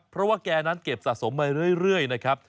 เพราะว่าแกนั้นเก็บสะสมมาเรื่อยนะครับ